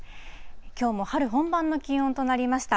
きょうも春本番の気温となりました。